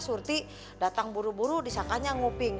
surti datang buru buru disangkanya nguping